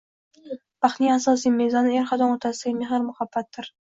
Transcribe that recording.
Baxtning asosiy mezoni er-xotin o‘rtasidagi mehr-muhabbatdir.